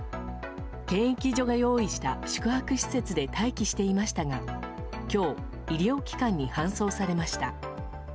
検疫所が用意した宿泊施設で待機していましたが今日、医療機関に搬送されました。